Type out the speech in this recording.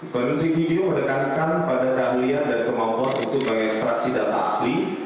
forensik video menekankan pada keahlian dan kemampuan untuk mengekstraksi data asli